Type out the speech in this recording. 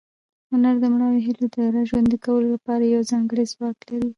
هنر د مړاوو هیلو د راژوندي کولو لپاره یو ځانګړی ځواک لري.